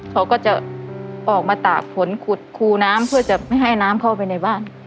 เขาก็จะออกมาตากฝนขุดคูน้ำเพื่อจะไม่ให้น้ำเข้าไปในบ้าน